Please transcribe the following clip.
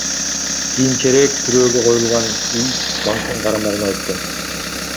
Кийинчерээк күрөөгө коюлган үй банктын карамагына өткөн.